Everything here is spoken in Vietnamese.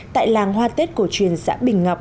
tại làng hoa tết cổ truyền xã bình ngọc